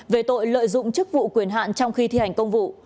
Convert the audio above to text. về tội lợi dụng chức vụ quyền hạn trong khi thi hành công vụ